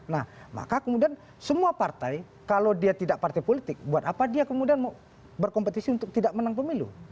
nah maka kemudian semua partai kalau dia tidak partai politik buat apa dia kemudian mau berkompetisi untuk tidak menang pemilu